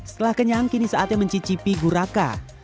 setelah kenyang kini saatnya mencicipi guraka